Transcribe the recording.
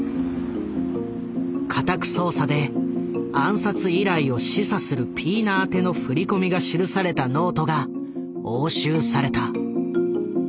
家宅捜査で暗殺依頼を示唆するピーナ宛ての振込が記されたノートが押収された。